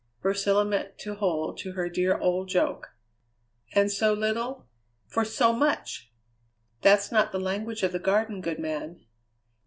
Priscilla meant to hold to her dear old joke. "And so little for so much!" "That's not the language of the Garden, good man!"